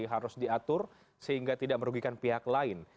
harus diatur sehingga tidak merugikan pihak lain